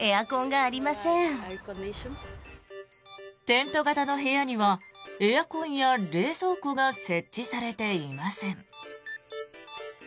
テント型の部屋にはエアコンや冷蔵庫が設置されていません。